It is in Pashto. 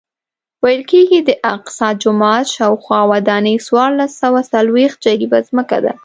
ویل کېږي د اقصی جومات شاوخوا ودانۍ څوارلس سوه څلوېښت جریبه ځمکه ده.